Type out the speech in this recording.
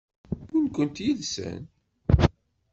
Wwin-kent yid-sen?